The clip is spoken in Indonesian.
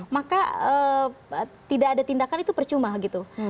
maka tidak ada tindakan itu percuma gitu